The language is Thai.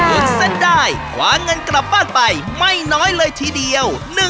วุ้นเส้นได้คว้าเงินกลับบ้านไปไม่น้อยเลยทีเดียว